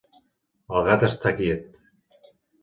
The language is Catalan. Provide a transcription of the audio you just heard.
El gat està quiet.